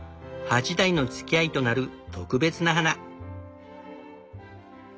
８代のつきあいとなる特別な花。